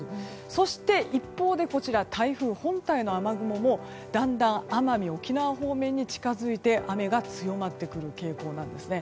そして、一方台風本体の雨雲もだんだん奄美、沖縄方面に近づいて雨が強まってくる傾向なんですね。